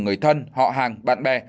người thân họ hàng bạn bè